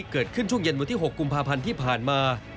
เกิดขึ้นช่วงเย็นวันที่๖กุมภาพันธ์ที่ผ่านมา